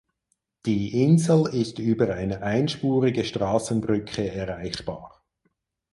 Die Insel ist über eine einspurige Straßenbrücke erreichbar.